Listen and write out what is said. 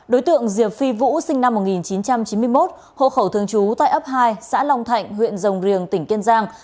đối tượng diệp phi vũ sinh năm một nghìn chín trăm chín mươi một hộ khẩu thường trú tại ấp hai xã long thạnh huyện rồng riềng tỉnh kiên giang